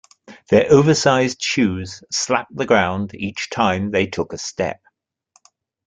Their oversized shoes slapped the ground each time they took a step.